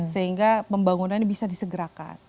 sehingga pembangunan ini bisa disegerakan